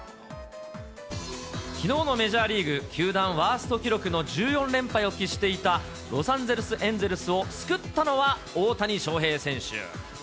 きのうのメジャーリーグ、球団ワースト記録の１４連敗を喫していたロサンゼルスエンゼルスを救ったのは、大谷翔平選手。